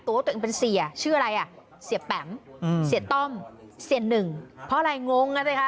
ว่าตัวเองเป็นเสียชื่ออะไรอ่ะเสียแป๋มเสียต้อมเสียหนึ่งเพราะอะไรงงกันสิคะ